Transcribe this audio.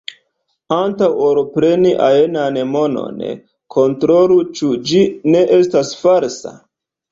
Antaŭ ol preni ajnan monon, kontrolu, ĉu ĝi ne estas falsa.